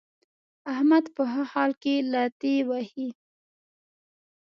احمد په ښه حال کې لتې وهي.